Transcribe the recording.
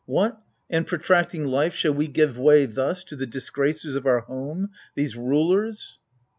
What, and, protracting life, shall we give way thu& To the disgracers of our home, these rulers